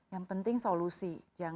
yang penting solusi